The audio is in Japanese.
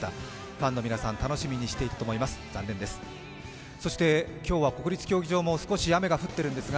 ファンの皆さん、楽しみにしていたと思います、残念です。